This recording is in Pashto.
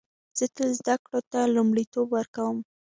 زه تل زده کړو ته لومړیتوب ورکوم